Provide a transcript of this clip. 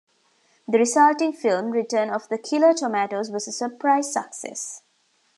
The resulting film, "Return of the Killer Tomatoes", was a surprise success.